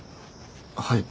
はい。